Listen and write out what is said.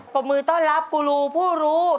บมือต้อนรับกูรูผู้รู้